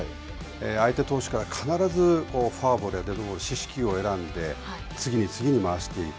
相手投手から必ずフォアボールやデッドボール、死四球を選んで、次に次に回していく。